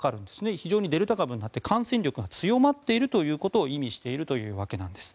非常にデルタ株になって感染力が強まっているということを意味しているというわけです。